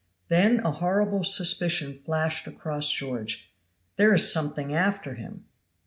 Then a horrible suspicion flashed across George "There is something after him!"